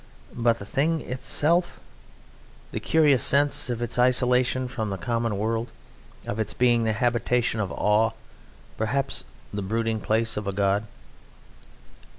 But the thing itself! The curious sense of its isolation from the common world, of its being the habitation of awe, perhaps the brooding place of a god!